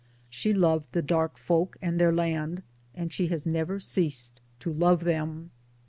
She loved the dark' folk and their land, and she has never ceased 1 to love them.